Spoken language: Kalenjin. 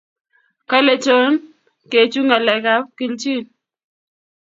kale John kechu ngalek ab kilchin